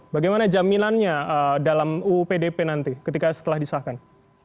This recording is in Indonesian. bagaimana jaminannya dalam uu pdp nanti ketika setelah disahkan